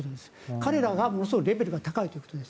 彼らがものすごくレベルが高いということです。